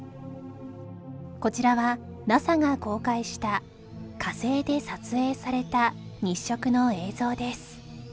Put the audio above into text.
こちらは ＮＡＳＡ が公開した火星で撮影された日食の映像です